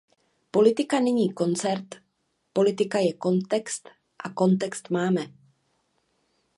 Politika není koncert, politika je kontext a kontext máme.